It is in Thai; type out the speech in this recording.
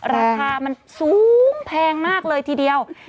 ราคามันสูงแพงมากเลยทีเดียว